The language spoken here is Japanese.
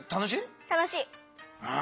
楽しい。